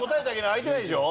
開いてないでしょ？